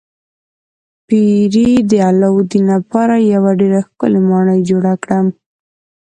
پیري د علاوالدین لپاره یوه ډیره ښکلې ماڼۍ جوړه کړه.